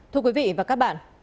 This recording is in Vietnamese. thưa quý vị và các bạn